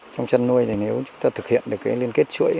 trong chăn nuôi nếu chúng ta thực hiện được liên kết chuỗi